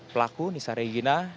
pelaku nisa regina